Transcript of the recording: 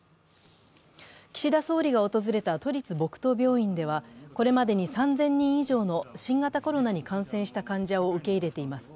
岸田総理が訪れた都立墨東病院では、これまでに３０００人以上の新型コロナに感染した患者を受け入れています。